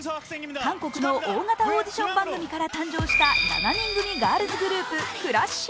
韓国の大型オーディション番組から誕生した７人組ガールズグループ、ＣＬＡＳＳ：ｙ。